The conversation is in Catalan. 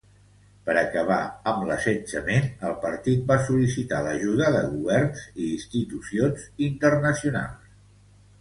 Per acabar amb l'assetjament, el partit va sol·licitar l'ajuda de governs i institucions internacionals.